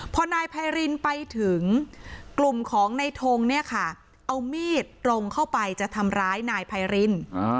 พอนายไพรินไปถึงกลุ่มของนายทงเอามีดลงเข้าไปจะทำร้ายนายไพริน